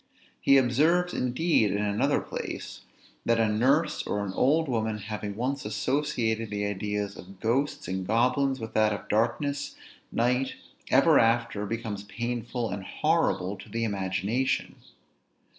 He observes indeed in another place, that a nurse or an old woman having once associated the ideas of ghosts and goblins with that of darkness, night, ever after, becomes painful and horrible to the imagination.